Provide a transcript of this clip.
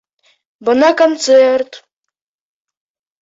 Бына концерт!